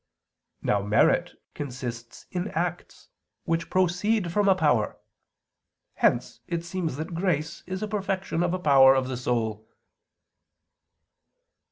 Now merit consists in acts, which proceed from a power. Hence it seems that grace is a perfection of a power of the soul.